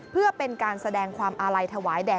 เพื่อเป็นการแสดงความอาลัยถวายแด่